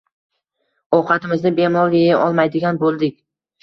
ovqatimizni bemalol yeya olmaydigan bo‘ldik.